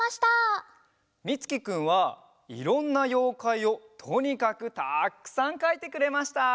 みつきくんはいろんなようかいをとにかくたくさんかいてくれました。